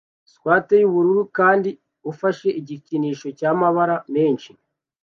swater yubururu kandi ufashe igikinisho cyamabara menshi